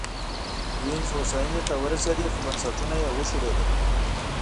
وینز هوساینې ته ورسېد خو بنسټونه یې وشړېدل